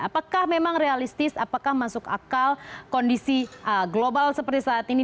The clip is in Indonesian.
apakah memang realistis apakah masuk akal kondisi global seperti saat ini